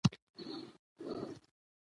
آمو سیند د افغانانو د ګټورتیا برخه ده.